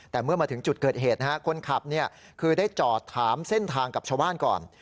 แต่เมื่อมาถึงจุดเกิดเหตุคนขับคือได้จอดถามเส้นทางกับชาวบ้านก่อน